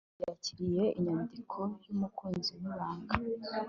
Mukandoli yakiriye inyandiko yumukunzi wibanga